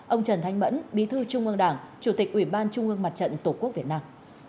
ông trần thanh mẫn bí thư trung ương đảng chủ tịch ủy ban trung ương mặt trận tổ quốc việt nam